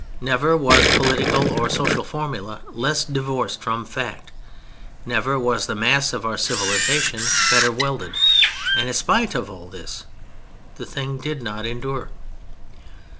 Never was political or social formula less divorced from fact, never was the mass of our civilization better welded—and in spite of all this the thing did not endure.